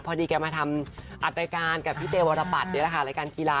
พอดีแกมาทำอัดรายการกับพี่เจวัตตะปัดนะคะรายการกีฬา